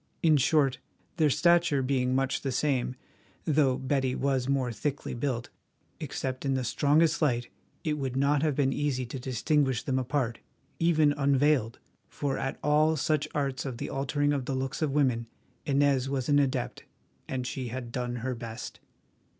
In short, their stature being much the same, though Betty was more thickly built, except in the strongest light it would not have been easy to distinguish them apart, even unveiled, for at all such arts of the altering of the looks of women, Inez was an adept, and she had done her best.